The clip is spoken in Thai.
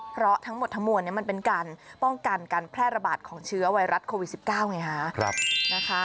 เพราะทั้งหมดทั้งมวลมันเป็นการป้องกันการแพร่ระบาดของเชื้อไวรัสโควิด๑๙ไงฮะ